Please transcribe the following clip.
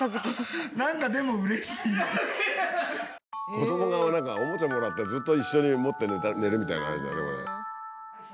子どもが何かおもちゃもらってずっと一緒に持って寝るみたいな話だねこれ。